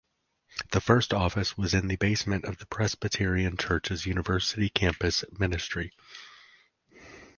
The first office was in the basement of the Presbyterian Church’s university campus ministry.